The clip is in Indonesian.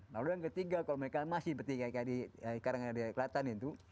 lalu yang ketiga kalau mereka masih seperti kayak di karena di kelantan itu